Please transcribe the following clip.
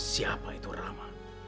siapa itu rama